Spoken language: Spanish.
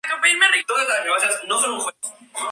Y sorprendió desde el primer momento.